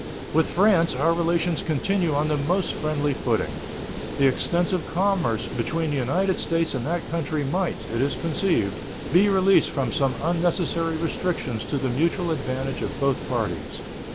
With France our relations continue on the most friendly footing. The extensive commerce between the United States and that country might, it is conceived, be released from some unnecessary restrictions to the mutual advantage of both parties.